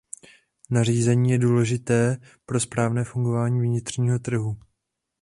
Nařízení je důležité pro správné fungování vnitřního trhu.